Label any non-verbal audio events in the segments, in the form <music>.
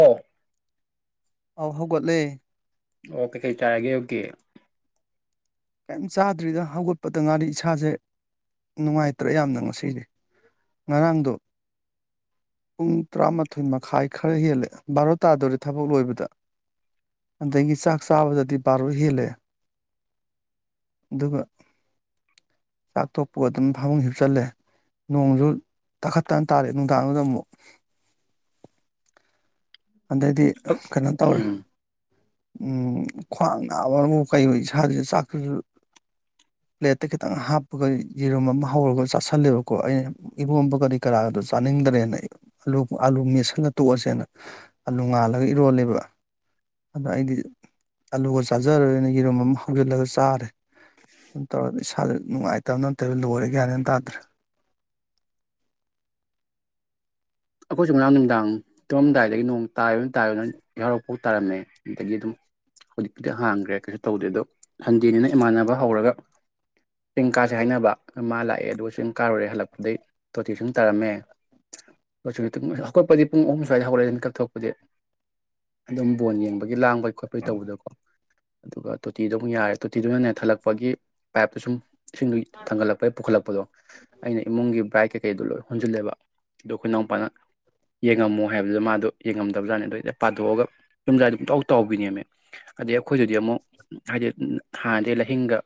ꯑꯣ ꯑꯥꯎ ꯍꯧꯒꯠꯂꯦ ꯑꯣ ꯀꯩꯀꯩ ꯆꯥꯔꯒꯦ ꯑꯌꯨꯛ ꯀꯤ ꯀꯩꯝ ꯆꯥꯗ꯭ꯔꯤꯗ ꯍꯧꯒꯠꯄꯗ ꯉꯥꯔꯤ ꯏꯁꯥꯁꯦ ꯅꯨꯡꯉꯥꯏꯇ꯭ꯔꯦ ꯌꯥꯝꯅ ꯉꯁꯤꯗꯤ ꯉꯔꯥꯡꯗꯣ ꯄꯨꯡ ꯇꯔꯥꯃꯥꯊꯣꯏ ꯃꯈꯥꯏ ꯈꯔ ꯍꯦꯜꯂꯦ ꯕꯥꯔꯣ ꯇꯥꯗꯣꯔꯦ ꯊꯕꯛ ꯂꯣꯏꯕꯗ ꯑꯗꯒꯤ ꯆꯥꯛ ꯆꯥꯕꯗꯗꯤ ꯕꯥꯔꯣ ꯍꯦꯜꯂꯦ ꯑꯗꯨꯒ ꯆꯥꯛꯊꯣꯛꯄꯨ ꯑꯗꯨꯝ ꯐꯃꯨꯡ ꯍꯤꯞꯆꯜꯂꯦ ꯅꯣꯡꯁꯨ ꯇꯥꯈꯠꯇꯟ ꯇꯥꯔꯦ ꯅꯨꯡꯗꯥꯡꯗꯨꯗ ꯑꯃꯨꯛ ꯑꯗꯩꯗꯤ ꯑꯛ ꯀꯩꯅꯣ ꯇꯧꯔꯦ ꯎꯝ ꯎ ꯈ꯭ꯋꯥꯡ ꯅꯥꯕ ꯑꯃꯕꯨ ꯀꯩ ꯏꯁꯥꯗꯁꯨ ꯆꯥꯛꯇꯁꯨ ꯄ꯭ꯂꯦꯠꯇ ꯈꯤꯇꯪ ꯍꯥꯞꯄꯒ ꯌꯦꯔꯨꯝ ꯑꯃ ꯍꯧꯔꯒ ꯆꯥꯥꯁꯜꯂꯦꯕꯀꯣ ꯑꯩꯅ ꯏꯔꯣꯝꯕ ꯀꯔꯤ ꯀꯔꯥꯗꯣ ꯆꯥꯅꯤꯡꯗ꯭ꯔꯦꯅ ꯑꯂꯨ ꯑꯥꯂꯨ ꯃꯦꯠꯁꯜꯂ ꯇꯣꯛꯑꯁꯦꯅ ꯑꯥꯂꯨ ꯉꯥꯜꯂꯒ ꯏꯔꯣꯜꯂꯦꯕ ꯑꯗꯣ ꯑꯩꯗꯤ ꯑꯂꯨꯒ ꯆꯥꯖꯔꯣꯏꯅ ꯌꯦꯔꯨꯝ ꯑꯃ ꯍꯧꯖꯤꯜꯂꯒ ꯆꯥꯔꯦ ꯑꯗꯨꯝ ꯇꯧꯔꯒ ꯏꯁꯥꯥꯁ ꯅꯨꯡꯉꯥꯏꯇꯕ ꯅꯠꯇꯦꯕ ꯂꯣꯏꯔꯦ ꯌꯥꯅꯦꯅ ꯇꯥꯗ꯭ꯔꯦ ꯑꯩꯈꯣꯏ ꯁꯨ ꯉꯥ ꯔꯥꯡ ꯅꯨꯃꯤꯗꯥꯡ ꯇꯨꯝꯃꯥꯝꯗꯥꯏꯗꯒꯤ ꯅꯣꯡ ꯇꯥ ꯇꯥ ꯅ ꯌꯥꯎꯔꯛꯄꯥꯎ ꯇꯥꯔꯝꯃꯦ ꯑꯗꯨꯗꯒꯤ ꯑꯗꯨꯝ ꯍꯧꯖꯤꯛꯄꯨꯗꯤ ꯍꯥꯡꯈ꯭ꯔꯦ ꯀꯩꯁꯨ ꯇꯧꯗꯦ ꯑꯗꯣ ꯁꯟꯗꯦꯅꯤꯅ ꯏꯃꯥꯟꯅꯕ ꯍꯧꯔꯒ ꯆꯤꯡ ꯀꯥꯁꯦ ꯍꯥꯏꯅꯕ ꯃꯥ ꯂꯥꯛꯑꯦ ꯑꯗꯨꯒ ꯆꯤꯡ ꯀꯥꯔꯨꯔꯦ ꯍꯜꯂꯛꯄꯗꯒꯤ ꯇꯣꯇꯤ ꯏꯁꯤꯡ ꯇꯥꯔꯝꯃꯦ ꯍꯧꯠꯄꯗꯤ ꯄꯨꯡ ꯑꯍꯨꯝ ꯁ꯭ꯋꯥꯏꯗ ꯍꯧꯒꯠꯛꯑꯦ ꯑꯗꯨꯅ ꯀꯛꯊꯣꯛꯄꯗꯤ ꯑꯗꯨꯝ ꯕꯣꯟ ꯌꯦꯡꯕꯒꯤ ꯂꯥꯡꯕꯩ ꯈꯣꯠꯄꯩ ꯇꯧꯕꯗꯀꯣ ꯑꯗꯨꯒ ꯇꯣꯇꯤꯗ ꯑꯃꯨꯛ ꯌꯥꯔꯦ ꯇꯣꯇꯤꯗꯨꯅ ꯊꯜꯂꯛꯄꯒꯤ ꯄꯥꯏꯞꯇꯨ ꯁꯨꯝ ꯁꯤꯡꯗꯨ ꯊꯥꯡꯒꯠꯂꯛꯄꯩ ꯄꯨꯈꯠꯂꯛꯄꯗꯣ ꯑꯩꯅ ꯏꯃꯨꯡꯒꯤ ꯕ꯭ꯔꯥꯏꯠ ꯀꯩꯀꯩꯗꯣ ꯂꯣꯏ ꯍꯣꯟꯖꯜꯂꯦꯕ ꯑꯩꯈꯣꯏꯅꯥꯎꯄꯥꯅ ꯌꯦꯡꯉꯝꯃꯣ ꯍꯥꯏꯕꯗꯨ ꯃꯥꯗꯣ ꯌꯦꯡꯉꯝꯗꯕꯖꯥꯠꯅꯦ ꯑꯗꯣ ꯌ ꯄꯥꯊꯣꯛꯑꯒ ꯌꯨꯝꯖꯥꯏꯗꯣ ꯄꯨꯇꯥꯎ ꯇꯥꯎꯕꯤꯅꯦꯃꯦ ꯑꯗꯩ ꯑꯩꯈꯣꯏꯁꯨꯗꯤ ꯑꯃꯨꯛ ꯍꯥꯏꯗꯤ ꯍꯥꯟꯅꯗꯤ ꯂꯥꯏꯍꯤꯡꯒ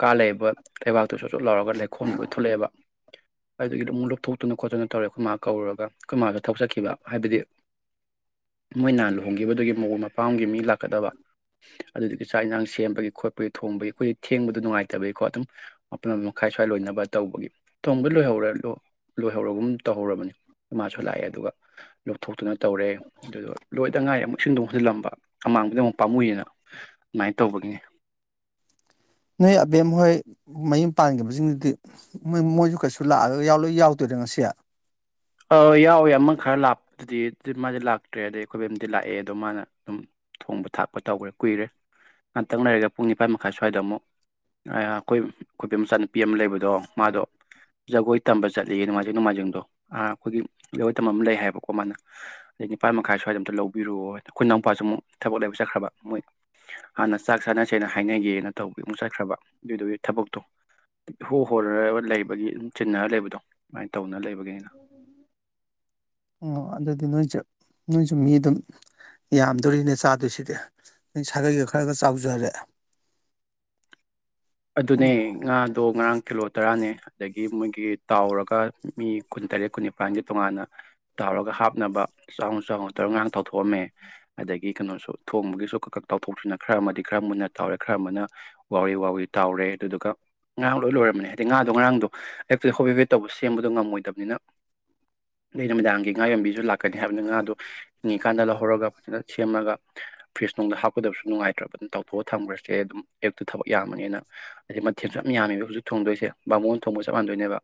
ꯀꯥ ꯂꯩꯕ ꯂꯩꯕꯥꯛꯇꯨꯁꯨꯁꯨꯣꯠ ꯂꯥꯎꯔꯒ ꯂꯩꯈꯣꯝ ꯂꯣꯏ ꯊꯣꯛꯂꯛꯑꯦꯕ ꯑꯗꯨꯗꯒꯤꯗꯤ ꯑꯗꯨꯝꯛ ꯂꯨꯞꯊꯣꯛꯇꯅ ꯈꯣꯠꯇꯅ ꯇꯧꯔꯦ ꯑꯩꯈꯣꯏ ꯃꯥ ꯀꯧꯔꯒ ꯀꯣꯏ ꯃꯥ ꯗꯣ ꯊꯕꯛ ꯆꯠꯈꯤꯕꯥ ꯍꯥꯏꯕꯗꯤ ꯃꯣꯏꯅꯍꯥꯟ ꯂꯨꯍꯣꯡꯈꯤꯕꯗꯨꯒꯤ ꯃꯑꯣꯡ ꯃꯄꯥꯝꯒꯤ ꯃꯤ ꯂꯥꯛꯀꯗꯕ ꯑꯗꯨꯗꯒꯤ ꯆꯥꯛ ꯏꯟꯥꯡ ꯁꯦꯝꯕꯒꯤ ꯈꯣꯠꯄꯒꯤ ꯊꯣꯡꯕꯒꯤ ꯑꯩꯈꯣꯏꯗꯤ ꯊꯦꯡꯕꯗ ꯅꯨꯡꯉꯥꯏꯇꯕꯒꯤꯀꯣ ꯑꯗꯨꯝ ꯃꯄꯟ ꯃꯈꯥꯏ ꯁ꯭ꯋꯥꯏ ꯂꯣꯏꯅꯕ ꯇꯧꯕꯒꯤ ꯊꯣꯡꯗ ꯂꯣꯏꯍꯧꯔ ꯂꯣꯏꯍꯧꯔꯒꯨꯝ ꯇꯧꯍꯧꯔꯕꯅꯤ ꯃꯥꯁꯨ ꯂꯥꯛꯑꯦ ꯑꯗꯨꯒ ꯂꯧꯊꯣꯛꯇꯨꯅ ꯇꯧꯔꯦ ꯑꯗꯨꯗ ꯂꯣꯏꯗ ꯉꯥꯏꯔ ꯑꯃꯨꯛ ꯑꯦꯁꯤꯡꯗꯣ ꯍꯟꯖꯤꯜꯂꯝꯕ ꯑꯃꯃꯥꯡꯕꯗ ꯑꯃꯨꯛ ꯄꯥꯝꯃꯨꯏꯦꯅ ꯑꯗꯨꯃꯥꯏꯅ ꯇꯧꯕꯒꯤꯅꯤ ꯅꯣꯏ ꯑꯕꯦꯝ ꯍꯣꯏ ꯃꯌꯨꯝ ꯄꯥꯟꯈꯤꯕꯁꯤꯡꯗꯨꯗꯤ ꯃꯣꯏꯁꯨ ꯀꯩꯁꯨ ꯂꯥꯛꯑꯒ ꯂꯣꯏ ꯌꯥꯎꯗꯣꯏꯔ ꯉꯁꯤ ꯑ ꯌꯥꯎꯋꯦ ꯑꯃ ꯈꯔ ꯂꯥꯄꯗꯨꯗꯤ ꯃꯥꯗꯤ ꯂꯥꯛꯇ꯭ꯔꯦ ꯑꯗꯩ ꯑꯩꯈꯣꯏꯕꯦꯝꯗꯤ ꯂꯥꯛꯑꯦ ꯑꯗꯣ ꯃꯥꯅ ꯑꯨꯝ ꯊꯣꯡꯕ ꯊꯥꯛꯄ ꯇꯧꯒ꯭ꯔꯦ ꯀꯨꯏꯔꯦ ꯉꯥꯛꯇꯪ ꯂꯩꯔꯒ ꯄꯨꯡ ꯅꯤꯄꯥꯟ ꯃꯈꯥꯏ ꯁ꯭ꯋꯥꯏꯗ ꯑꯃꯨꯛ ꯑ ꯑꯈꯣꯏ ꯑꯈꯣꯏꯕꯦꯝ ꯃꯆꯥꯅꯨꯄꯤ ꯑꯃ ꯂꯩꯕꯗꯣ ꯃꯥꯗꯣ ꯖꯒꯣꯏ ꯇꯝꯕ ꯆꯠꯂꯤꯌꯦ ꯅꯣꯡꯃꯥꯏꯖꯤꯡ ꯅꯣꯡꯃꯥꯏꯖꯤꯡꯗꯣ ꯑ ꯑꯈꯣꯏꯒꯤ ꯖꯒꯣꯏ ꯇꯝꯕ ꯑꯃ ꯂꯩ ꯍꯥꯏꯌꯦꯕꯀꯣ ꯃꯥꯅ ꯑꯗꯩ ꯅꯤꯄꯥꯥꯟ ꯃꯈꯥꯏ ꯁ꯭ꯋꯥꯏꯗ ꯑꯝꯇ ꯂꯧꯕꯤꯔꯨꯑꯏ ꯑꯈꯣꯏ ꯅꯥꯎꯄꯥꯁꯨ ꯑꯃꯨꯛ ꯊꯕꯛ ꯂꯩꯕ ꯆꯠꯈ꯭ꯔꯕ ꯃꯣꯏ ꯍꯥꯟꯅ ꯆꯥꯛ ꯆꯥꯅꯁꯦꯅ ꯍꯥꯏꯅꯒꯦꯅ ꯇꯧꯕ ꯑꯃꯨꯛ ꯆꯠꯈ꯭ꯔꯕ ꯑꯗꯨꯏꯗꯨꯒꯤ ꯊꯕꯛꯇꯣ ꯍꯣ ꯍꯣꯔꯔ ꯂꯩꯕꯒꯤ ꯑꯗꯨꯝ ꯆꯤꯟꯅꯔ ꯂꯩꯕꯗꯣ ꯁꯃꯥꯏꯅ ꯇꯧꯅ ꯂꯩꯕꯒꯤꯅꯤꯗ ꯑꯣ ꯑꯗꯨꯗꯤ ꯅꯣꯏꯁꯖꯨ ꯅꯣꯏꯖꯨ ꯃꯤ ꯑꯗꯨꯝ ꯌꯥꯝꯗꯣꯔꯤꯅꯦ ꯆꯥꯗꯣꯏꯁꯤꯗꯤ ꯅ ꯁꯥꯒꯩꯒ ꯈꯔꯒ ꯆꯥꯎꯖꯔꯦ ꯑꯗꯨꯅꯦ ꯉꯥꯗꯣ ꯉꯔꯥꯡ ꯀꯤꯜꯂꯣꯠ ꯇꯔꯥꯅꯦ ꯑꯗꯒꯤ ꯃꯣꯏꯒꯤ ꯇꯥꯎꯔꯒ ꯃꯤ ꯀꯨꯟ ꯇꯔꯦꯠ ꯀꯨꯟ ꯅꯤꯄꯥꯟꯒꯤ ꯇꯣꯉꯥꯟꯅ ꯇꯥꯎꯔꯒ ꯍꯥꯞꯅꯕ ꯆꯥꯎꯅ ꯆꯥꯎꯅ ꯇꯥꯎꯔꯒ ꯉꯔꯥꯡ ꯇꯥꯎꯊꯣꯛꯑꯝꯃꯦ ꯑꯗꯒꯤ ꯀꯅꯣꯁꯨ ꯊꯣꯡꯕꯒꯤꯁꯨ ꯀꯛꯀꯛ ꯇꯥꯎꯊꯣꯛꯁꯤꯅ ꯈꯔ ꯑꯃꯗꯤ ꯈꯔ ꯃꯨꯟꯅ ꯇꯥꯎꯔꯦ ꯈꯔ ꯑꯃꯅ ꯋꯥꯎꯔꯤ ꯋꯥꯎꯔꯤ ꯇꯥꯎꯔꯦ ꯑꯗꯨꯗꯨꯒ ꯉꯔꯥꯡ ꯂꯣꯏ ꯂꯣꯏꯔꯝꯅꯦ ꯑꯗꯩ ꯉꯥꯗꯣ ꯉꯔꯥꯡꯗꯣ ꯍꯦꯛꯇ ꯍꯣꯕꯦꯕꯦ ꯇꯧꯕ ꯁꯦꯝꯕꯗꯣ ꯉꯝꯃꯣꯏꯗꯕꯅꯤꯅ ꯑꯗꯩ ꯃꯨꯃꯤꯗꯥꯡꯒꯤ ꯉꯥ ꯌꯣꯟꯕꯤꯁꯨ ꯂꯥꯛꯀꯅꯤ ꯍꯥꯏꯕꯅꯤ ꯉꯥꯗꯨ ꯍꯤꯡꯉꯤꯀꯥꯟꯗ ꯂꯧꯍꯧꯔꯒ ꯐꯖꯅ ꯁꯦꯝꯔꯒ ꯐ꯭ꯔꯤꯖꯅꯨꯡꯗ ꯍꯥꯞꯀꯗꯕꯁꯨ ꯅꯨꯡꯉꯥꯏꯇ꯭ꯔꯕ ꯑꯗꯨꯅ ꯇꯧꯊꯣꯛꯑ ꯊꯝꯈ꯭ꯔꯁꯦ ꯑꯗꯨꯝ ꯑꯌꯨꯛꯇ ꯊꯕꯛ ꯌꯥꯝꯕꯅꯤꯅ ꯍꯥꯏꯗꯤ ꯃꯊꯦꯜꯁꯨ ꯌꯥꯝꯃꯦꯕ ꯍꯧꯖꯤꯛ ꯊꯣꯡꯗꯣꯏꯁꯦ ꯕꯥꯃꯣꯟ ꯊꯣꯡꯕ ꯆꯞ ꯃꯥꯟꯗꯣꯏꯅꯦꯕ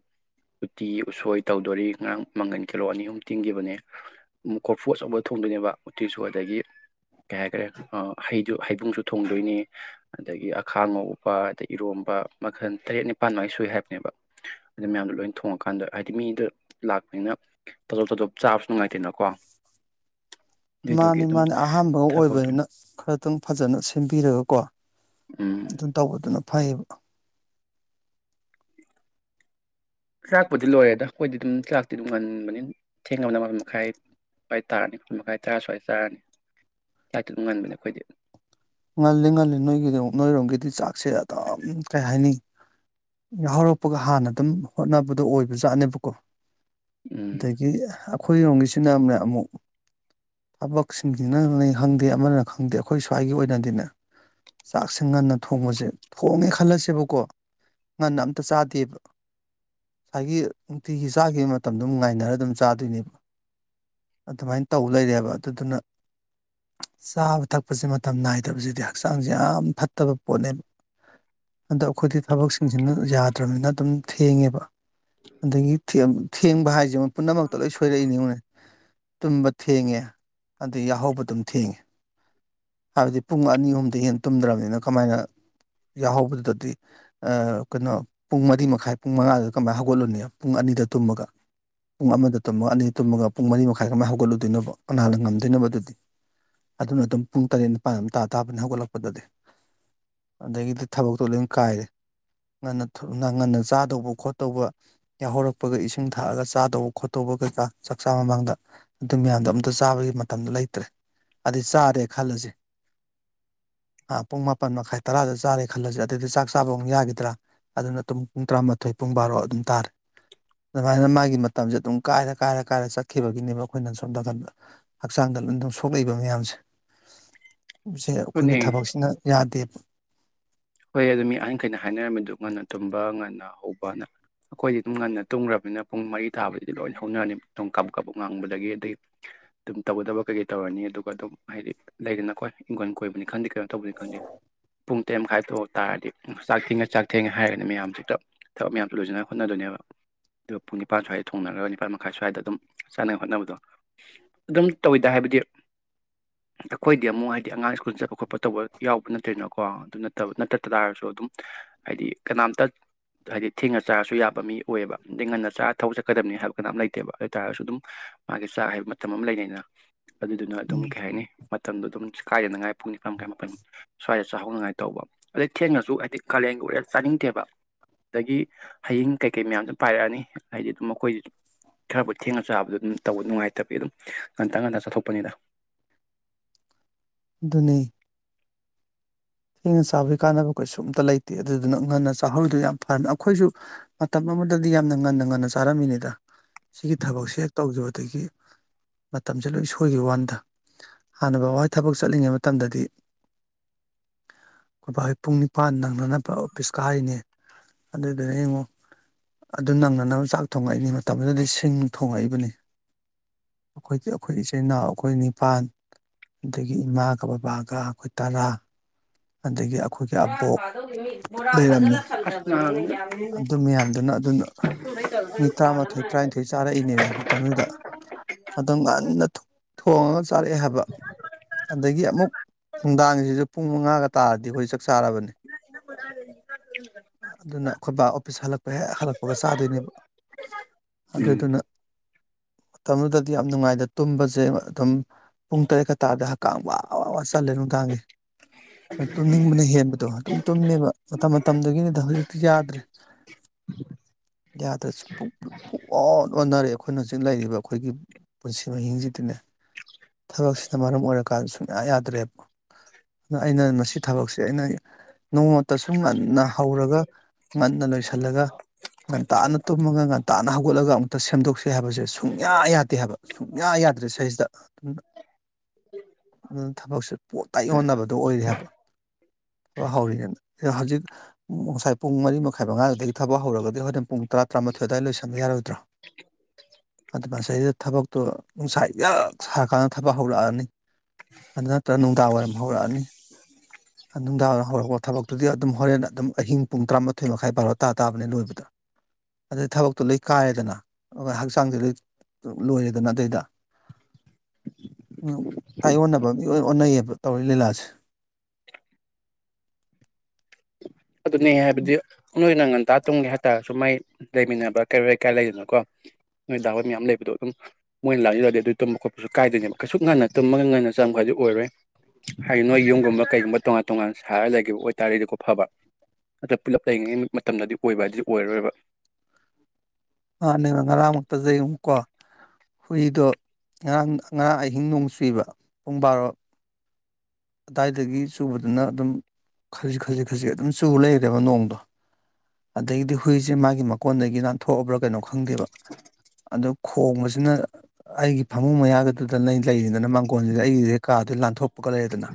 ꯎꯇꯤ ꯎꯁꯣꯏ ꯇꯧꯗꯣꯔꯤ ꯉꯔꯥꯡ ꯃꯪꯒꯟ ꯀꯤꯂꯣ ꯑꯅꯤ ꯑꯍꯨꯝ ꯇꯤꯡꯒꯤꯕꯅꯦ ꯎꯝ ꯀꯣꯔꯐꯨ ꯑꯆꯧꯕ ꯊꯣꯡꯗꯣꯏꯅꯦꯕ ꯎꯇꯤꯁꯨ ꯑꯗꯒꯤ ꯀꯩ ꯍꯥꯏꯈꯔꯦ ꯍꯩ ꯍꯩꯕꯨꯡꯁꯨ ꯊꯣꯡꯗꯣꯏꯅꯤ ꯑꯗꯒꯤ ꯑꯈꯥꯉꯧ ꯄ ꯑꯗꯩ ꯏꯔꯣꯝꯕ ꯃꯈꯟ ꯇꯔꯦꯠ ꯅꯤꯄꯥꯟ ꯃꯥꯏ ꯁꯨꯏ ꯍꯥꯏꯕꯅꯦꯕ ꯑꯗꯨ ꯃꯌꯥꯝꯗꯣ ꯂꯣꯏꯅ ꯊꯣꯡꯉꯀꯥꯟꯗ ꯍꯥꯏꯗꯤ ꯃꯤꯗ ꯂꯥꯛꯄꯅꯤꯅ ꯇꯖꯣꯞ ꯇꯖꯣꯞ ꯆꯥꯕꯁꯨ ꯅꯨꯡꯉꯥꯏꯇꯦꯅꯀꯣ ꯑꯗꯨꯏꯗꯨꯒꯤ ꯃꯥꯅꯤ ꯑꯗꯨꯝ ꯃꯥꯅꯤ ꯑꯍꯥꯟꯕꯒ ꯊꯕꯛꯇꯣ ꯑꯣꯏꯕꯅꯤꯅ ꯈꯔꯇꯪ ꯐꯖꯅ ꯁꯤꯟꯕꯤꯔꯀꯣ ꯎꯝ ꯑꯗꯨꯟ ꯇꯧꯕꯗꯨꯅ ꯐꯩꯌꯦꯕꯀꯣ ꯆꯥꯛꯄꯨꯗꯤ ꯂꯣꯏꯔꯦꯗ ꯑꯈꯣꯏꯗꯤ ꯑꯗꯨꯝ ꯆꯥꯛꯇꯤ ꯑꯗꯨꯝ ꯉꯟꯕꯅꯤꯅ ꯊꯦꯡꯉꯕꯤꯗ ꯃꯄꯟ ꯃꯈꯥꯏ ꯍꯣꯏ ꯇꯥꯔꯅꯤ ꯃꯥꯄꯟ ꯃꯈꯥꯏ ꯇꯔꯥ ꯁ꯭ꯋꯥꯏꯗ ꯆꯥꯔꯅꯤ ꯆꯥꯛꯇꯤ ꯑꯗꯨꯝ ꯉꯟꯕꯅꯦ ꯑꯈꯣꯏꯗꯤ ꯉꯜꯂꯤ ꯉꯜꯂꯤ ꯅꯣꯏꯒꯤꯗꯤ ꯅꯣꯏꯔꯣꯝꯒꯤꯗꯤ ꯆꯥꯛꯁꯦ ꯑꯗꯨꯝ ꯀꯩ ꯍꯥꯏꯅꯤ ꯌꯥꯎꯍꯧꯔꯛꯄꯒ ꯍꯥꯟꯅ ꯑꯗꯨꯝ ꯍꯣꯠꯅꯕꯗꯣ ꯑꯣꯏꯕꯖꯥꯠꯅꯦꯕꯀꯣ ꯎꯝ ꯑꯗꯒꯤ ꯑꯈꯣꯏꯔꯣꯝꯒꯤꯁꯤꯅ ꯑꯃꯅ ꯑꯃꯨꯛ ꯊꯕꯛꯁꯤꯡꯁꯤꯅꯅ ꯈꯪꯗꯦ ꯑꯃꯅ ꯈꯪꯗꯦ ꯑꯈꯣꯏ ꯁ꯭ꯋꯥꯏꯒꯤ ꯑꯣꯏꯅꯗꯤꯅꯦ ꯆꯥꯛꯁꯦ ꯉꯟꯅ ꯊꯣꯡꯕꯁꯦ ꯊꯣꯡꯉꯦ ꯈꯜꯂꯁꯦꯕꯀꯣ ꯉꯟꯅ ꯑꯝꯇ ꯆꯥꯗꯦꯕ ꯉꯁꯥꯏꯒꯤ ꯅꯨꯡꯇꯤꯒꯤ ꯆꯥꯈꯤꯕ ꯃꯇꯝꯗꯣꯝ ꯉꯥꯏꯅꯔ ꯑꯗꯨꯝ ꯆꯥꯗꯣꯏꯅꯦꯕ ꯑꯗꯨꯃꯥꯏꯅ ꯇꯧ ꯂꯩꯔꯦꯕ ꯑꯗꯨꯗꯨꯅ ꯆꯥꯕ ꯊꯛꯄꯁꯦꯃ ꯃꯇꯝ ꯅꯥꯏꯗꯕꯁꯤꯗꯤ ꯍꯛꯆꯥꯡꯁꯦ ꯌꯥꯝ ꯐꯠꯇꯕ ꯄꯣꯠꯅꯦꯠ ꯑꯗ ꯑꯈꯣꯏꯗꯤ ꯊꯕꯛꯁꯤꯡꯖꯤꯅ ꯌꯥꯗ꯭ꯔꯝꯅꯤꯅ ꯑꯗꯨꯝ ꯊꯦꯡꯉꯦꯕ ꯑꯗꯒꯤ ꯊꯦꯝ ꯊꯦꯡꯕ ꯍꯥꯏꯖꯦ ꯃ ꯄꯨꯝꯅꯃꯛꯇ ꯂꯣꯏ ꯁꯣꯏꯔꯛꯏꯅꯤ ꯌꯦꯡꯉꯨꯅꯦ ꯇꯨꯝꯕ ꯊꯦꯡꯉꯦ ꯑꯗꯩ ꯌꯥꯍꯧꯕ ꯑꯗꯨꯝ ꯊꯦꯡꯉꯦ ꯍꯥꯏꯕꯗꯤ ꯄꯨꯡ ꯑꯅꯤ ꯑꯍꯨꯝꯗꯒꯤ ꯍꯦꯟꯅ ꯇꯨꯝꯗ꯭ꯔꯝꯅꯤꯅ ꯀꯃꯥꯏꯅ ꯌꯥꯎꯍꯧꯕꯗꯨꯗꯗꯤ ꯑ ꯀꯩꯅꯣ ꯄꯨꯡ ꯃꯔꯤ ꯃꯈꯥꯏ ꯄꯨꯡ ꯃꯉꯥꯗ ꯀꯃꯥꯏꯅ ꯍꯧꯒꯠꯂꯨꯅꯤ ꯄꯨꯡ ꯑꯅꯤꯗ ꯇꯨꯝꯃꯒ ꯄꯨꯡ ꯑꯃꯗ ꯇꯨꯝꯃꯒ ꯑꯅꯤ ꯇꯨꯝꯃꯒ ꯄꯨꯡ ꯃꯔꯤ ꯃꯈꯥꯏ ꯀꯃꯥꯏꯅ ꯍꯧꯒꯠꯂꯨꯗꯣꯏꯅꯣꯕ ꯀꯅꯥꯅ ꯉꯝꯗꯣꯏꯅꯣꯕ ꯑꯗꯨꯗꯤ ꯑꯗꯨꯅ ꯑꯗꯨꯝ ꯄꯨꯡ ꯇꯔꯦꯠ ꯅꯤꯄꯥꯟ ꯑꯗꯨꯝ ꯇꯥ ꯇꯥꯕꯅꯤ ꯍꯧꯒꯠꯂꯛꯄꯗꯗꯤ ꯑꯗꯒꯤꯗꯤ ꯊꯕꯛꯇꯣ ꯂꯣꯏꯅ ꯀꯥꯏꯔꯦ ꯉꯟꯅ ꯊꯨ ꯉꯟꯅ ꯆꯥꯗꯧꯕ ꯈꯣꯠꯇꯧꯕ ꯌꯥꯍꯧꯔꯛꯄꯒ ꯏꯁꯤꯡ ꯊꯛꯑꯒ ꯆꯥꯗꯧꯕ ꯈꯣꯠꯇꯧꯕ ꯀꯩꯀꯥ ꯆꯥꯛꯆꯥ ꯃꯃꯥꯡꯗ ꯑꯗꯨ ꯃꯌꯥꯝꯗꯣ ꯑꯝꯇ ꯆꯥꯕꯒꯤ ꯃꯇꯝꯗꯣ ꯂꯩꯇ꯭ꯔꯦ꯫ ꯑꯗꯤ ꯆꯥꯔꯦ ꯈꯜꯂꯖꯤ ꯑꯥ ꯄꯨꯡ ꯃꯥꯄꯟ ꯃꯈꯥꯏ ꯇꯔꯥꯗ ꯆꯥꯔꯦ ꯈꯜꯂꯖꯤ ꯑꯗꯏꯗꯤ ꯆꯥꯛ ꯆꯥꯕ ꯑꯃꯨꯛ ꯌꯥꯒꯤꯗ꯭ꯔꯥ꯫ ꯑꯗꯨꯅ ꯇꯨꯝ ꯄꯨꯡ ꯇꯔꯥꯃꯥꯊꯣꯏ ꯄꯨꯡ ꯕꯥꯔꯣ ꯑꯗꯨꯝ ꯇꯥꯔꯦ꯫ ꯑꯗꯨꯃꯥꯏꯅ ꯃꯥꯒꯤ ꯃꯇꯝꯖꯦ ꯑꯗꯨꯝ ꯀꯥꯏꯔ ꯀꯥꯏꯔ ꯀꯥꯏꯔ ꯆꯠꯈꯤꯕꯒꯤꯅꯦꯕ ꯑꯈꯣꯏꯅ ꯁꯣꯝ ꯅꯥꯀꯟꯗ꯫ ꯍꯛꯆꯥꯡꯗ ꯅꯨꯟꯗ ꯁꯣꯛꯂꯛꯏꯕ ꯃꯌꯥꯝꯁꯦ꯫ ꯁꯤꯅ ꯑꯈꯣꯏꯒꯤ ꯑꯗꯨꯅꯦ ꯊꯕꯛꯁꯤꯅ ꯌꯥꯗꯦꯕ꯫ ꯍꯣꯏ ꯑꯗꯨ ꯃꯤ ꯑꯍꯟꯈꯩꯅ ꯍꯥꯏꯅꯔꯝꯃꯤꯗꯨ ꯉꯟꯅ ꯇꯨꯝꯕ ꯉꯟꯅ ꯍꯧꯕꯅ꯫ ꯑꯈꯣꯏꯗꯤ ꯑꯗꯨꯝ ꯉꯟꯅ ꯇꯨꯝꯈ꯭ꯔꯕꯅꯤꯅ ꯄꯨꯡ ꯃꯔꯤ ꯇꯥꯕꯗꯗꯤ ꯂꯣꯏ ꯍꯧꯅꯔꯅꯤ ꯇꯨꯝ ꯀꯕꯨꯛ ꯀꯕꯨꯛ ꯉꯥꯡꯕꯗꯒꯤ ꯑꯗꯩ ꯑꯗꯨꯝ ꯇꯧꯒꯗꯕ ꯀꯩꯀꯩ ꯇꯧꯔꯅꯤ ꯑꯗꯨꯒ ꯑꯗꯨꯝ ꯍꯥꯏꯗꯤ ꯂꯩꯗꯅ ꯀꯣꯏ ꯏꯪꯒꯣꯜ ꯀꯣꯏꯕꯅꯤ ꯈꯪꯗꯦ ꯀꯩꯅꯣ ꯇꯧꯕꯅꯤ ꯈꯪꯗꯦ ꯄꯨꯡ ꯇꯔꯦꯠꯃ ꯃꯈꯥꯏ ꯇꯣ ꯇꯥꯔꯗꯤ ꯆꯥꯛ ꯊꯦꯡꯉꯦ ꯆꯥꯛ ꯊꯦꯡꯉꯦ ꯍꯥꯏꯔꯅꯤ ꯃꯌꯥꯝꯖꯦ ꯇ ꯊꯕꯛ ꯃꯌꯥꯝꯖꯦ ꯂꯣꯏꯖꯤꯅ ꯍꯣꯠꯅꯗꯣꯏꯅꯦꯕ꯫ ꯑꯗꯨ ꯄꯨꯡ ꯅꯤꯄꯥꯟ ꯁ꯭ꯋꯥꯏꯗ ꯊꯣꯡꯅꯔꯒ ꯅꯤꯄꯥꯥꯟ ꯃꯈꯥꯏ ꯁ꯭ꯋꯥꯏꯗ ꯑꯗꯨꯝ ꯆꯥꯟꯅꯩ ꯍꯣꯠꯅꯕꯗꯣ ꯑꯗꯨꯝ ꯇꯧꯋꯤꯗ ꯍꯥꯏꯕꯗꯤ ꯑꯈꯣꯏꯗꯤ ꯑꯃꯨꯛ ꯍꯥꯏꯗꯤ ꯑꯉꯥꯡ ꯁ꯭ꯀꯨꯜ ꯆꯠꯄ ꯈꯣꯠꯄ ꯇꯧꯕ ꯌꯥꯎꯕ ꯅꯠꯇꯔꯦꯗꯅꯀꯣ ꯑꯗꯨꯅ ꯇꯕ ꯅꯠꯇꯠꯇ ꯇꯥꯔꯁꯨ ꯑꯗꯨꯝ ꯍꯥꯏꯗꯤ ꯀꯅꯥꯝꯇ ꯍꯥꯏꯗꯤ ꯊꯦꯡꯅ ꯆꯥꯔꯁꯨ ꯌꯥꯕ ꯃꯤ ꯑꯣꯏꯌꯦꯕ ꯑꯩ ꯉꯟꯅ ꯆꯥꯔ ꯊꯕ ꯆꯠꯀꯗꯕꯅꯤ ꯍꯥꯏꯕ ꯀꯅꯥꯝ ꯂꯩꯇꯦꯕ ꯑꯗꯨ ꯑꯣꯏ ꯇꯥꯔꯁꯨ ꯑꯗꯨꯝ ꯃꯥꯒꯤ ꯆꯥꯛ ꯍꯥꯏꯕ ꯃꯇꯝ ꯑꯃ ꯂꯩꯅꯩꯗꯅ ꯑꯗꯨꯗꯨꯅ ꯑꯗꯨꯝ ꯎꯝ ꯀꯩ ꯍꯥꯏꯅꯤ ꯃꯇꯝꯗꯣ ꯑꯗꯨꯝ ꯀꯥꯏꯗꯅꯉꯥꯏ ꯄꯨꯡ ꯅꯤꯄꯥꯟ ꯃꯈꯥꯏ ꯃꯥꯄꯜ ꯁ꯭ꯋꯥꯏꯗ ꯆꯥꯍꯧꯅꯉꯥꯏ ꯇꯧꯕ ꯑꯗꯩ ꯊꯦꯡꯅꯁꯨ ꯍꯥꯏꯗꯤ ꯀꯥꯂꯦꯟꯒ ꯑꯣꯏꯔꯦ ꯆꯥꯅꯤꯡꯗꯦꯕ꯫ ꯑꯗꯒꯤ ꯍꯌꯤꯡ ꯀꯩꯀꯩ ꯃꯌꯥꯝꯖꯨ ꯄꯥꯏꯔꯛꯑꯅꯤ ꯍꯥꯏꯗꯤ ꯑꯗꯨꯝ ꯑꯈꯣꯏꯖꯤ ꯈꯔꯕꯨ ꯊꯦꯡꯅ ꯆꯥꯕꯗꯣ ꯑꯗꯨꯝ ꯇꯧꯕ ꯅꯨꯡꯉꯥꯏꯇꯕꯩ ꯑꯗꯨꯝ ꯉꯟꯇꯥ ꯉꯟꯇꯥ ꯆꯠꯊꯣꯛꯄꯅꯤꯗ꯫ ꯑꯗꯨꯅꯦ ꯊꯦꯡꯅ ꯆꯥꯕꯩ ꯀꯥꯟꯅꯕ ꯀꯩꯁꯨꯨꯝꯇ ꯂꯩꯇꯦ ꯑꯗꯨꯗꯨꯅ ꯉꯟꯅ ꯆꯥꯍꯧꯔꯤꯗꯨ ꯌꯥꯝ ꯐꯅ ꯑꯈꯣꯏꯖꯨ ꯃꯇꯝ ꯑꯃꯗꯗꯤ ꯌꯥꯝꯅ ꯉꯟꯅ ꯉꯟꯅ ꯆꯥꯔꯝꯃꯤꯅꯤꯗ ꯁꯤꯒꯤ ꯊꯕꯛꯁꯦ ꯍꯦꯛ ꯇꯧꯖꯕ ꯑꯗꯒꯤ ꯃꯇꯝꯖꯦ ꯂꯣꯏ ꯁꯣꯏꯒꯤꯕ ꯋꯥꯟꯅꯤꯗ꯫ ꯍꯥꯟꯅ ꯕꯥꯕꯥ ꯍꯣꯌ ꯊꯕꯛ ꯆꯠꯂꯤꯉꯩ ꯃꯇꯝꯗꯗꯤ ꯕꯕꯥ ꯍꯣꯌ ꯄꯨꯡ ꯅꯤꯄꯥꯟ ꯅꯪꯅꯅꯕ ꯑꯣꯐꯤꯁ ꯀꯔꯤꯅꯤ ꯑꯗꯨꯗꯨꯅ ꯌꯦꯡꯉꯨ ꯑꯗꯨ ꯅꯪꯅꯅꯕ ꯆꯥꯛ ꯊꯣꯡꯉꯛꯏꯅꯤ ꯃꯇꯝꯗꯨꯗꯗꯤ ꯁꯤꯡ ꯊꯣꯡꯉꯛꯏꯕꯅꯤ꯫ ꯑꯈꯣꯏꯗꯤ ꯑꯩꯈꯣꯏ ꯏꯆꯤꯟ ꯏꯅꯥꯎ ꯑꯈꯣꯏ ꯅꯤꯄꯥꯟ꯫ ꯑꯗꯒꯤ ꯏꯃꯥꯒ ꯕꯕꯥꯒ ꯑꯈꯣꯏ ꯇꯔꯥ꯫ ꯑꯗꯒꯤ ꯑꯥ ꯑꯈꯣꯏꯒꯤ ꯕꯣꯔꯥ ꯑꯕꯣꯛ ꯐꯥꯗꯧꯗꯤ ꯃꯤ ꯕꯣꯔꯥ ꯂꯩꯔꯝꯃꯤ ꯐꯖꯅ ꯊꯝꯗꯕꯅꯤꯅ ꯌꯥꯝꯃꯦ ꯑꯗꯨ ꯃꯌꯥꯝꯗꯨꯅ ꯑꯗꯨꯅ ꯃꯤ ꯇꯔꯥꯃꯥꯊꯣꯏ ꯇꯔꯥꯅꯤꯊꯣꯏ ꯆꯥꯔꯛꯏꯅꯦꯃꯤ ꯃꯇꯝꯗꯨꯗ ꯑꯗꯨꯝ ꯉꯟꯅ ꯊꯣ ꯊꯣꯡꯉꯒ ꯆꯥꯔꯛꯑꯦ ꯍꯥꯏꯕ꯫ ꯑꯗꯒꯤ ꯑꯃꯨꯛ ꯅꯨꯡꯗꯥꯡꯖꯤꯖꯨ ꯄꯨꯡ ꯃꯉꯥꯒ ꯇꯥꯔꯗꯤ ꯑꯈꯣꯏ ꯆꯥꯛ ꯆꯥꯔꯕꯅꯤ꯫ ꯅ ꯃ <inaudible> ꯑꯗꯨꯅ ꯑꯈꯣꯏ ꯕꯥ ꯑꯣꯐꯤꯁ ꯍꯜꯂꯛꯄ ꯍꯦꯛ ꯍꯜꯂꯛꯄꯒ ꯆꯥꯗꯣꯏꯅꯦꯕ꯫ ꯎꯝ ꯑꯗꯨꯗꯨꯅ ꯃꯇꯝꯗꯨꯗꯗꯤ ꯌꯥꯝ ꯅꯨꯡꯉꯥꯏꯗ ꯇꯨꯝꯕꯖꯦ ꯑꯗꯨꯝ ꯄꯨꯡ ꯇꯔꯦꯠꯀ ꯇꯥꯗ ꯍꯥ ꯀꯥꯝ ꯋꯥ ꯋꯥꯥ ꯋꯥ ꯆꯜꯂꯦ ꯅꯨꯡꯗꯥꯡꯒꯤ꯫ ꯇꯨꯝꯅꯤꯡꯕꯅ ꯍꯦꯟꯕꯗꯣ ꯑꯗꯨꯝ ꯇꯨꯝꯃꯦꯕ ꯃꯇꯝ ꯃꯇꯝꯗꯨꯒꯤꯅꯤꯗ ꯍꯧꯖꯤꯛꯇꯤ ꯌꯥꯗ꯭ꯔꯦ꯫ ꯌꯥꯗꯔꯁꯨ ꯄꯨꯛ ꯄꯨꯛ ꯄꯨꯠ ꯑꯣꯟꯅꯔꯦ ꯑꯈꯣꯏꯅ ꯍꯧꯖꯤꯛ ꯂꯩꯔꯤꯕ ꯑꯈꯣꯏꯒꯤ ꯄꯨꯟꯁꯤ ꯃꯍꯤꯡꯖꯤꯗꯤꯅꯦ ꯊꯕꯛꯁꯤꯅ ꯃꯔꯝ ꯑꯣꯏꯔꯀꯥꯟ ꯁꯨꯡꯌꯥ ꯌꯥꯗ꯭ꯔꯦꯕ꯫ ꯑꯗꯨꯅ ꯑꯩꯅ ꯃꯁꯤ ꯊꯕꯛꯁꯦ ꯑꯩꯅ ꯅꯣꯡꯃꯇ ꯁꯨꯝ ꯉꯟꯅ ꯍꯧꯔꯒ ꯉꯟꯅ ꯂꯣꯏꯁꯜꯂꯒ ꯉꯟꯇꯥꯅ ꯇꯨꯝꯃꯒ ꯉꯟꯇꯥꯅ ꯍꯧꯒꯠꯂꯒ ꯑꯃꯨꯛꯇ ꯁꯦꯝꯗꯣꯛꯁꯤ ꯍꯥꯏꯕꯖꯦ ꯁꯨꯡꯌꯥ ꯌꯥꯗꯦ ꯍꯥꯏꯕ꯫ ꯁꯨꯡꯌꯥ ꯌꯥꯗ꯭ꯔꯦ ꯁꯩꯁꯤꯗ ꯑꯗꯨꯅ ꯊꯕꯛꯁꯦ ꯄꯣꯠ ꯇꯥꯏꯌꯣꯟꯅꯕꯗꯣ ꯑꯣꯏꯔꯦ ꯍꯥꯏꯕ ꯊꯕꯛ ꯍꯧꯔꯤꯅꯦꯅ꯫ ꯍꯧꯖꯤꯛ ꯉꯁꯥꯏ ꯄꯨꯡ ꯃꯔꯤ ꯃꯈꯥꯏ ꯃꯉꯥꯗꯨꯗꯒꯤ ꯊꯕꯛ ꯍꯧꯔꯒꯗꯤ ꯍꯣꯔꯦꯟ ꯄꯨꯡ ꯇꯔꯥ ꯇꯔꯥꯃꯊꯣꯏ ꯑꯗꯨꯋꯥꯏ ꯂꯣꯏꯁꯟꯕ ꯌꯥꯔꯣꯏꯗ꯭ꯔꯣ꯫ ꯑꯗ ꯃꯁꯩꯗ ꯊꯕꯛ ꯇꯣ ꯅꯨꯡꯁꯥ ꯌꯥꯛ ꯁꯥꯔꯀꯥꯟꯗ ꯊꯕꯛ ꯍꯧꯔꯛꯑꯅꯤ ꯑꯗꯨ ꯅꯠꯇ꯭ꯔꯒ ꯅꯨꯡꯗꯥꯡ ꯋꯥꯏꯔꯝ ꯍꯧꯔꯛꯑꯅꯤ꯫ ꯅꯨꯡꯗꯥꯡꯋ ꯍꯧꯔꯛꯄ ꯊꯕꯛꯇꯨꯗꯤ ꯑꯗꯨꯝ ꯍꯣꯔꯦꯟ ꯑꯗꯨꯝ ꯑꯍꯤꯡ ꯄꯨꯡ ꯇꯔꯥꯃꯥꯊꯣꯏ ꯃꯈꯥꯏ ꯕꯥꯔꯣ ꯇꯥ ꯇꯥꯕꯅꯦ ꯂꯣꯏꯕ꯫ ꯑꯗꯨꯗꯩꯩ ꯊꯕꯛꯇꯣ ꯂꯣꯏ ꯀꯥꯏꯔꯦꯗꯅ ꯑꯗꯨꯒ ꯍꯛꯆꯥꯡꯖꯦ ꯂꯣꯏ ꯂꯣꯏꯔꯦꯗꯅ ꯑꯗꯩꯗ ꯇꯥꯏꯌꯣꯟꯅꯕ ꯃꯤ ꯑꯣꯟ ꯑꯣꯟꯅꯩꯌꯦꯕ ꯇꯧꯔꯤ ꯂꯤꯂꯥꯖꯦ꯫ ꯑꯗꯨꯅꯦ ꯍꯥꯏꯕꯗꯤ ꯅꯣꯏꯅ ꯉꯟꯇꯥ ꯇꯨꯝꯒꯦ ꯍꯥꯏꯇꯥꯔꯁꯨ ꯃꯩ ꯂꯩꯃꯤꯟꯅꯕ ꯀꯩꯔꯣꯏꯀꯥꯏ ꯂꯩꯗꯅꯀꯣ꯫ ꯅꯣꯏ ꯗꯥ ꯍꯣꯏ ꯃꯌꯥꯝ ꯂꯩꯕꯗꯣ ꯑꯗꯨꯝ ꯃꯣꯏ ꯂꯥꯛꯅꯤꯡꯉꯗꯤ ꯑꯗꯨ ꯇꯨꯝꯕ ꯈꯣꯠꯄꯁꯨ ꯀꯥꯏꯗꯣꯏꯅꯦꯕ ꯀꯩꯁꯨ ꯉꯟꯅ ꯇꯨꯝꯃꯒ ꯉꯟꯅ ꯆꯪꯕ ꯍꯥꯏꯗꯤ ꯑꯣꯏꯔꯣꯏ꯫ ꯍꯥꯏ ꯅꯣꯏ ꯌꯨꯝꯒꯨꯝꯕ ꯀꯩꯒꯨꯝꯕ ꯇꯣꯉꯥꯟ ꯇꯣꯉꯥꯟ ꯁꯥꯔꯒ ꯂꯩꯒꯤꯕ ꯑꯣꯏꯇꯥꯔꯗꯤꯀꯣ ꯐꯕ꯫ ꯑꯗ ꯄꯨꯜꯂꯞ ꯂꯩꯔꯤꯉꯩ ꯃꯇꯝꯗꯗꯤ ꯑꯣꯏꯕ ꯍꯥꯏꯗꯤ ꯑꯣꯏꯔꯔꯣꯏꯕ꯫ ꯑꯅꯦꯕ ꯉꯔꯥꯃꯛꯇꯗ ꯌꯦꯡꯉꯨꯀꯣ ꯍꯨꯏꯗꯣ ꯉꯔꯥꯡ ꯉꯔꯥꯡ ꯑꯍꯤꯡ ꯅꯣꯡ ꯆꯨꯏꯕ ꯄꯨꯡ ꯕꯥꯔꯣ ꯑꯗꯥꯏꯗꯒꯤ ꯆꯨꯕꯗꯨꯅ ꯑꯗꯨꯝ ꯈꯖꯤꯛ ꯈꯖꯤꯛ ꯈꯖꯤꯛ ꯑꯗꯨꯝ ꯆꯨ ꯂꯩꯔꯦꯕ ꯅꯣꯡꯗꯣ꯫ ꯑꯗꯩꯗꯤ ꯍꯨꯏꯁꯦ ꯃꯥꯒꯤ ꯃꯀꯣꯟꯗꯒꯤ ꯅꯥꯟꯊꯣꯛꯑꯕ꯭ꯔꯥ ꯀꯩꯅꯣ ꯈꯪꯗꯦꯕ꯫ ꯑꯗꯨ ꯈꯣꯡꯕꯁꯤꯅ ꯑꯩꯒꯤ ꯐꯃꯨꯡ ꯃꯌꯥꯗꯨꯗ ꯅ ꯂꯩꯔꯤꯗꯅ ꯃꯥꯡꯒꯣꯟꯖꯤꯗꯤ ꯑꯩꯒꯤꯖꯦ ꯀꯥꯗ ꯂꯥꯟꯊꯣꯛꯄꯒ ꯂꯩꯔꯦꯗꯅ꯫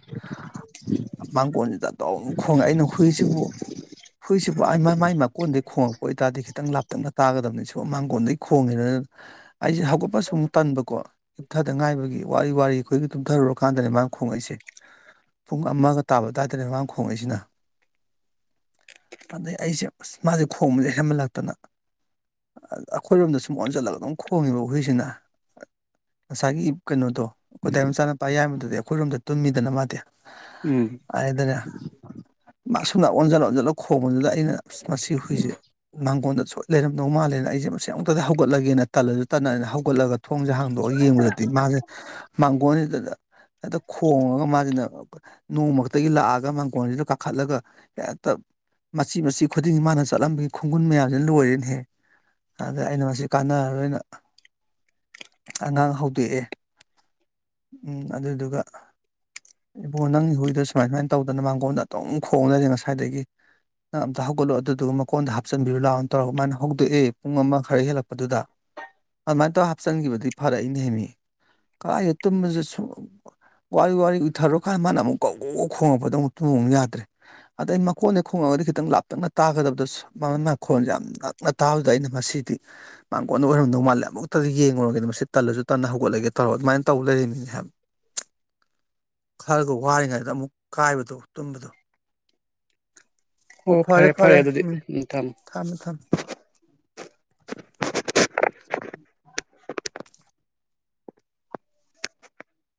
ꯃꯥꯡꯒꯣꯟꯖꯤꯗ ꯑꯗꯨꯝ ꯈꯣꯡꯉꯛ ꯑꯩꯅ ꯍꯨꯏꯁꯤꯕꯨ ꯍꯨꯏꯁꯤꯕꯨ ꯑꯥꯏ ꯃ ꯃꯥꯏ ꯃꯀꯣꯟꯗꯩ ꯈꯣꯡꯉꯛꯄ ꯑꯣꯏꯇꯥꯥꯗꯤ ꯈꯤꯇꯪ ꯂꯥꯞꯇꯛꯅ ꯇꯥꯒꯗꯕꯅꯤ ꯁꯨꯝ ꯃꯥꯡꯒꯣꯟꯗꯩ ꯈꯣꯡꯉꯦꯅ꯫ ꯑꯩꯁꯦ ꯍꯧꯒꯠꯄꯁꯨꯝ ꯇꯟꯕꯀꯣ ꯍꯤꯞꯊꯗ ꯉꯥꯏꯕꯒꯤ ꯋꯥꯔꯤ ꯋꯥꯔꯤ ꯑꯩꯈꯣꯏꯒꯤ ꯇꯨꯝꯊꯔꯨꯔꯀꯥꯟꯗꯅꯦ ꯃꯥꯅ ꯈꯣꯡꯉꯛꯏꯁꯦ꯫ ꯄꯨꯡ ꯑꯃꯒ ꯇꯥꯕ ꯑꯗꯥꯏꯗꯅꯦ ꯃꯃꯥꯡ ꯈꯣꯡꯉꯛꯏꯁꯤꯅ꯫ ꯑꯗꯩ ꯑꯩꯁꯦ ꯑꯁ ꯃꯥꯖꯦ ꯈꯣꯡꯕꯖꯦ ꯍꯦꯟꯃꯜꯂꯛꯇꯅ ꯑꯈꯣꯏꯔꯣꯝꯗ ꯁꯨꯝ ꯑꯣꯟꯁꯜꯂꯒ ꯑꯗꯨꯝ ꯈꯣꯡꯉꯦꯕ ꯍꯨꯏꯁꯤꯅ꯫ ꯉꯁꯥꯏꯒꯤ ꯀꯩꯅꯣꯗꯣ ꯑꯈꯣꯏꯗꯥꯏ ꯃꯆꯥꯅꯨꯄꯥ ꯌꯥꯏꯃꯗꯨꯗꯤ ꯑꯩꯈꯣꯏꯔꯣꯝꯗ ꯇꯨꯝꯃꯤꯗꯅ ꯃꯥꯗꯤ ꯎꯝ ꯍꯥꯏꯗꯅ ꯃꯥꯁꯨꯝꯅ ꯑꯣꯟꯁꯜ ꯑꯣꯟꯁꯜꯂꯒ ꯈꯣꯡꯕꯗꯨꯗ ꯑꯩꯅ ꯑꯁ ꯃꯁꯤ ꯍꯨꯏꯖꯦ ꯃꯥꯡꯒꯣꯟꯗ ꯁꯣꯏ ꯂꯩꯔꯝꯗꯧ ꯃꯥꯜꯂꯦꯅ ꯑꯩꯁꯦ ꯃꯁꯦ ꯑꯃꯨꯛꯇꯗ ꯍꯧꯒꯠꯂꯒꯦꯅ ꯇꯜꯂꯁꯨ ꯇꯠꯅꯅ ꯍꯧꯒꯠꯂꯒ ꯊꯣꯡꯖꯦ ꯍꯥꯡꯗꯣꯛꯑ ꯌꯦꯡꯕꯗꯗꯤ ꯃꯥꯖꯦ ꯃꯥꯡꯒꯣꯟꯖꯤꯗꯗ ꯈꯣꯡꯉꯒ ꯃꯥꯖꯤꯅ ꯅꯣꯡꯃꯛꯇꯒꯤ ꯂꯥꯛꯑꯒ ꯃꯥꯡꯒꯣꯜꯖꯤꯗ ꯀꯥꯈꯠꯂꯒ ꯍꯦꯛꯇ ꯃꯆꯤ ꯃꯆꯤ ꯈꯨꯗꯤꯡꯒꯤ ꯃꯥꯅ ꯆꯠꯂꯝꯕꯒꯤ ꯈꯣꯡꯒꯨꯟ ꯃꯌꯥꯝꯖꯤꯅ ꯂꯣꯏꯔꯦꯅꯦꯍꯦ꯫ ꯑꯗ ꯑꯩꯅ ꯃꯁꯤ ꯀꯥꯟꯅꯔꯔꯣꯏꯅ ꯑꯉꯥꯡ ꯍꯧꯗꯦꯛꯑꯦ ꯎꯝ ꯑꯗꯨꯗꯨꯒ ꯏꯕꯣ ꯅꯪꯒꯤ ꯍꯨꯏꯗꯣ ꯁꯨꯃꯥꯏ ꯁꯨꯃꯥꯏꯅ ꯇꯧꯗꯅ ꯃꯥꯡꯒꯣꯟꯗ ꯑꯗꯨꯝ ꯈꯣꯡꯂꯩꯔꯦ ꯉꯁꯥꯏꯗꯒꯤ ꯅꯪ ꯑꯝꯇ ꯍꯧꯒꯠꯂꯣ ꯑꯗꯨꯗꯨꯒ ꯃꯀꯣꯟꯗ ꯍꯥꯞꯆꯟꯕꯤꯔꯨ ꯂꯥꯎꯅ ꯇꯧꯔꯒ ꯃꯥꯅ ꯍꯧꯛꯗꯣꯛꯑꯦ ꯄꯨꯡ ꯑꯃ ꯈꯔ ꯍꯦꯜꯂꯛꯄꯗꯨꯗ꯫ ꯑꯗꯨꯃꯥꯏꯅ ꯇꯧꯔ ꯍꯥꯞꯆꯟꯒꯤꯕꯗꯩ ꯐꯔꯛꯏꯅꯦꯍꯦ ꯃꯤ ꯀꯥꯏꯗꯩꯩ ꯇꯨꯝꯕꯁꯨ ꯁꯨ ꯋꯥꯔꯤ ꯋꯥꯔꯤ ꯎꯏꯊꯔꯨꯔ ꯀꯥꯟꯗ ꯃꯥꯅ ꯑꯃꯨꯛ ꯀꯧ ꯒꯧ ꯈꯣꯡꯉꯛꯄꯗ ꯑꯃꯨꯛ ꯇꯨꯝꯃ ꯑꯃꯨꯛ ꯌꯥꯗ꯭ꯔꯦ꯫ ꯑꯗꯩ ꯃꯈꯣꯟꯗꯩ ꯈꯣꯡꯉꯒꯗꯤ ꯈꯤꯇꯪ ꯂꯥꯞꯇꯛꯅ ꯇꯥꯒꯗꯕꯗꯁꯨ ꯃ ꯃꯈꯣꯟꯁꯦ ꯌꯥꯝ ꯃꯇꯥꯎꯗ ꯑꯩꯅ ꯉꯁꯤꯗꯤ ꯃꯥꯡꯒꯣꯟꯅ ꯑꯣꯏꯔꯝꯗꯧ ꯃꯥꯜꯂꯦ ꯑꯃꯨꯛꯇꯗ ꯌꯦꯡꯉꯨꯔꯒꯦꯗ ꯃꯁꯤ ꯇꯜꯂꯁꯨ ꯇꯟꯅ ꯍꯧꯒꯠꯂꯒꯦ ꯇꯧꯔꯣ ꯑꯗꯨꯃꯥꯏꯅ ꯇꯧ ꯂꯩꯃꯤꯅꯦ ꯍꯥꯏꯕ꯫ ꯈꯔꯒ ꯋꯥꯔꯤꯉꯩꯗ ꯑꯃꯨꯛ ꯀꯥꯏꯕꯗꯣ ꯇꯨꯝꯕꯗꯣ꯫ ꯑꯣ ꯐꯔꯦ ꯐꯔꯦ ꯎꯝ ꯊꯝꯃꯦ ꯊꯝꯃꯦ꯫